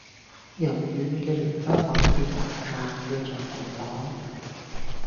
由軟嘅棉花糖變為硬嘅橡皮糖